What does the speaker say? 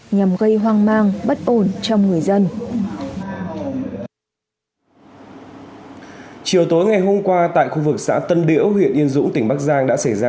nhằm gây hoang mang bất ổn trong người dân